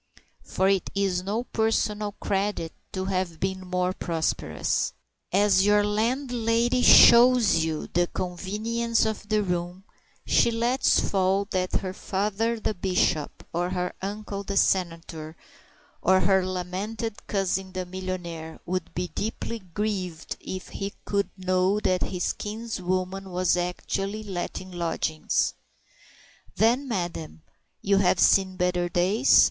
For it is no personal credit to have been more prosperous. As your landlady shows you the convenience of the room, she lets fall that her father the Bishop, or her uncle the Senator, or her lamented cousin the millionaire would be deeply grieved if he could know that his kinswoman was actually letting lodgings. "Then, madam, you have seen better days?"